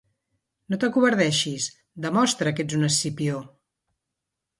No t'acovardeixis, demostra que ets un Escipió!